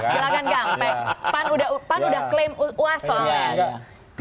silahkan kang pak udah klaim uas soalnya